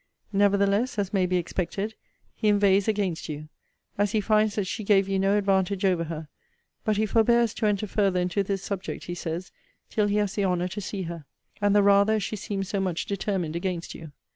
Nevertheless (as may be expected) 'he inveighs against you; as he finds that she gave you no advantage over her. But he forbears to enter further into this subject, he says, till he has the honour to see her; and the rather, as she seems so much determined against you.